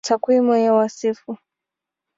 Takwimu ya Wasifu